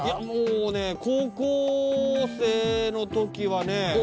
もうね高校生のときはね